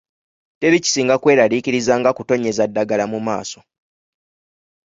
Teri kisinga kweralariikiriza nga kutonnyeza ddagala mu maaso.